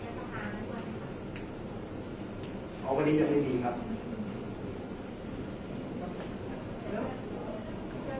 แต่ว่าไม่มีปรากฏว่าถ้าเกิดคนให้ยาที่๓๑